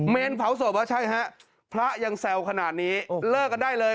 เผาศพอ่ะใช่ฮะพระยังแซวขนาดนี้เลิกกันได้เลย